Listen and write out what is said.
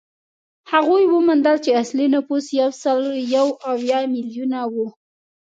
هغوی وموندل چې اصلي نفوس یو سل یو اویا میلیونه و